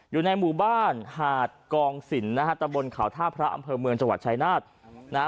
อยู่ในหมู่บ้านหาดกองสินนะฮะตะบนเขาท่าพระอำเภอเมืองจังหวัดชายนาฏนะฮะ